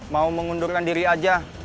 mau mengundurkan diri aja